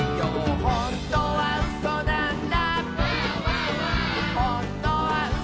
「ほんとにうそなんだ」